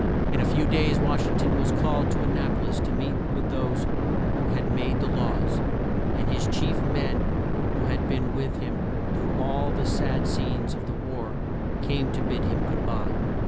In a few days Wash ing ton was called to An na po lis to meet with those who made the laws, and his chief men who had been with him through all the sad scenes of the war, came to bid him good bye.